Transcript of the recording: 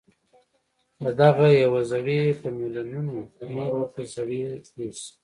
له دغه يوه زړي په ميليونونو نور ورته زړي جوړ شي.